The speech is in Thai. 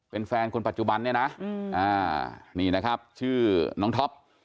เป็นแฟนคนปัจจุบันเนี่ยนะนี่นะครับชื่อน้องท็อป